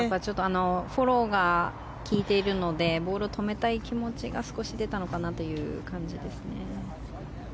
フォローがきいているのでボールを止めたい気持ちが少し出たのかなという感じですね。